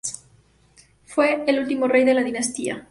Fue el último rey de la dinastía de Sverker.